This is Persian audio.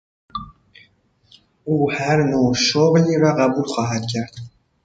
او هر نوع شغلی را قبول خواهد کرد.